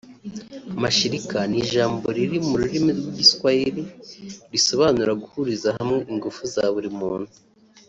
Mashirika ni ijambo riri mu rurimi rw’Igiswahili risobanura guhuriza hamwe ingufu za buri muntu